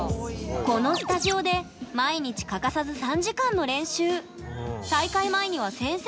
このスタジオで毎日欠かさず３時間の練習。